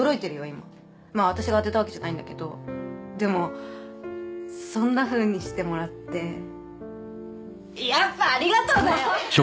今まあ私が当てたわけじゃないんだけどでもそんなふうにしてもらってやっぱありがとうだよ！